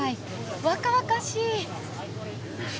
若々しい！